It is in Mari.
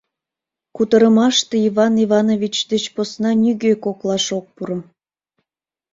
Кутырымаште Иван Иванович деч посна нигӧ коклаш ок пуро.